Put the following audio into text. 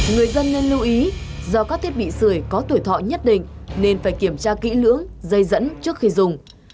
người dân nên lưu ý do các thiết bị sửa có tuổi thọ nhất định nên phải kiểm tra kỹ lưỡng dây dẫn trước khi dùng